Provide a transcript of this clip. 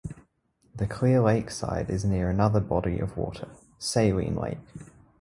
The Clear Lake side is near another body of water: Saline Lake.